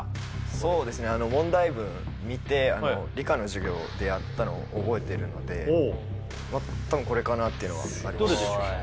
そうですね問題文見て理科の授業でやったのを覚えてるのでたぶんこれかなっていうのはありますどれでしょう？